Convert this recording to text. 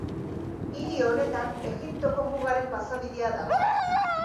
Hiri honetan Egiptoko mugaren pasabidea dago.